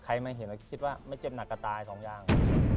ใครมาเห็นคิดว่าไม่เจ็บหนักก็ตายสองอย่าง